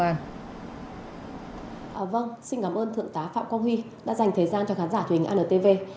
vâng xin cảm ơn thượng tá phạm quang huy đã dành thời gian cho khán giả thuyền antv